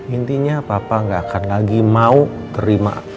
intinya papa gak akan lagi mau terima